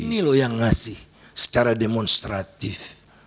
ini yang dikasih secara demonstratif